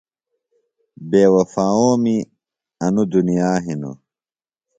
بے وفاؤں می انوۡ دُنیا ہنوۡ۔